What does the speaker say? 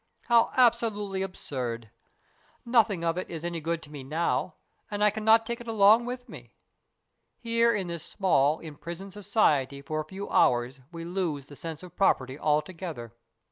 How absolutely absurd ! Nothing of it is any good to me now, and I cannot take it along with me. Here in this small, imprisoned society for a few hours we lose the sense of property altogether.